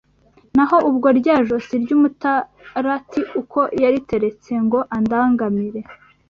Naho ubwo rya josi ry’ umutarati Uko yariteretse ngo andangamire